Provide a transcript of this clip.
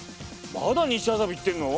まだ西麻布行ってるの？